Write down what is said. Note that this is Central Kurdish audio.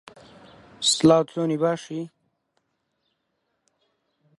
تۆ بوویت قاپەکانت شوشت؟